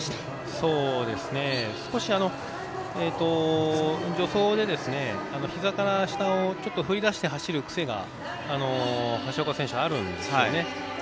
そうですね、少し助走で膝から下を振りだして走る癖が橋岡選手、あるんですね。